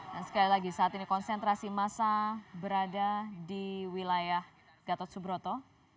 dan sekali lagi saat ini konsentrasi masa berada di wilayah gatot subroto